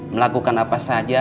melakukan apa saja